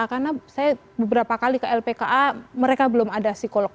karena saya beberapa kali ke lpka mereka belum ada psikolog